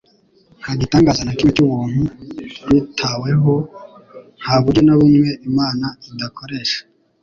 nta gitangaza na kimwe cy'ubuntu kuitaweho, nta buryo na bumwe Imana idakoresha.